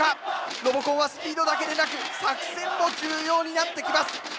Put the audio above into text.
ロボコンはスピードだけでなく作戦も重要になってきます。